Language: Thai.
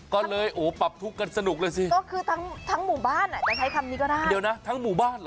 ก็เลยโอ้ปรับทุกข์กันสนุกเลยสิก็คือทั้งทั้งหมู่บ้านอ่ะจะใช้คำนี้ก็ได้เดี๋ยวนะทั้งหมู่บ้านเหรอ